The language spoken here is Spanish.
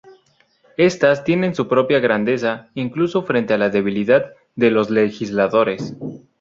Estas tienen su propia grandeza, incluso frente a la debilidad de los legisladores.